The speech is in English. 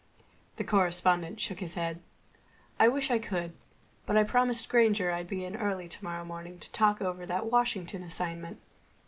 The correspondent shook his head. "Wish I could. But I promised Granger I'd be in early tomorrow morning to talk over that Washington assignment."